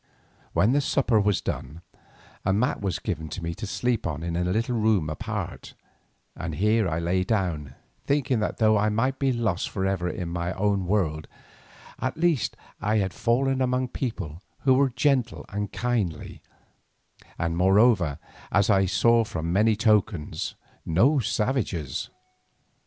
When supper was done a mat was given me to sleep on in a little room apart, and here I lay down, thinking that though I might be lost for ever to my own world, at least I had fallen among a people who were gentle and kindly, and moreover, as I saw from many tokens, no savages.